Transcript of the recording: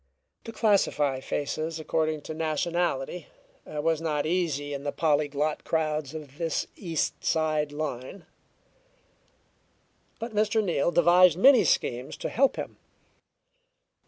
To classify faces according to nationality was not easy in the polyglot crowds of this East Side line. But Mr. Neal devised many schemes to help him.